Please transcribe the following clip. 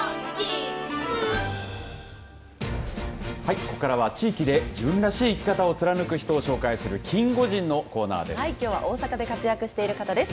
ここからは地域で自分らしい生き方を貫く人を紹介するきょうは大阪で活躍している方です。